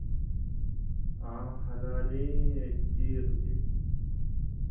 آں ہلالِیں اے چِیغ دِتیۡ،